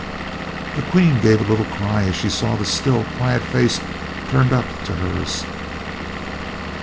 The Queen gave a little cry as she saw the still, quiet face turned up to hers.